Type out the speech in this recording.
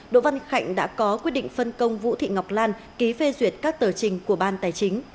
đỗ văn khạnh đã có quyết định phân công vũ thị ngọc lan ký phê duyệt các tờ trình của ban tài chính